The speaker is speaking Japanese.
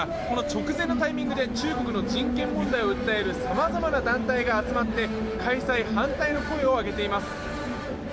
この直前のタイミングで中国の人権問題を訴えるさまざまな団体が集まって開催反対の声を上げています。